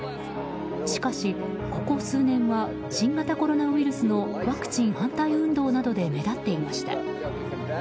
しかし、ここ数年は新型コロナウイルスのワクチン反対運動などで目立っていました。